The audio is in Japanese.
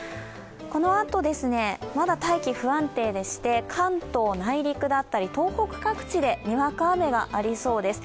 このあと、まだ大気不安定でして、関東内陸だったり東北各地でにわか雨がありそうです。